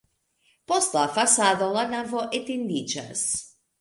Post la fasado la navo etendiĝas.